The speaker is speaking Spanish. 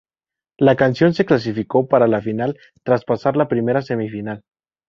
La canción se clasificó para la final tras pasar la primera semifinal.